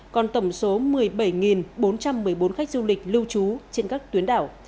còn tổng số một mươi bảy bốn trăm một mươi bốn khách du lịch lưu trú trên các tuyến đảo